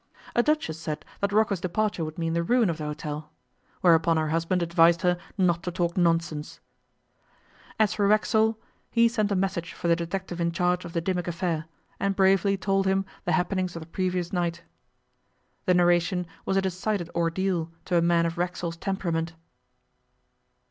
A duchess said that Rocco's departure would mean the ruin of the hotel, whereupon her husband advised her not to talk nonsense. As for Racksole, he sent a message for the detective in charge of the Dimmock affair, and bravely told him the happenings of the previous night. The narration was a decided ordeal to a man of Racksole's temperament.